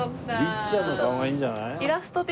律ちゃんの顔がいいんじゃない？